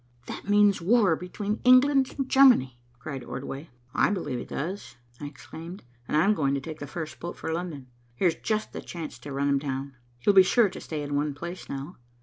"That means war between England and Germany," cried Ordway. "I believe it does," I exclaimed, "and I'm going to take the first boat for London. Here's just the chance to run him down. He'll be sure to stay in one place now.